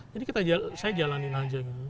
jadi saya jalanin saja gitu